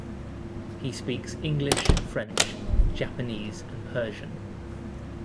He speaks English, French, Japanese, and Persian.